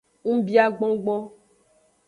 Ngubia gbongbon.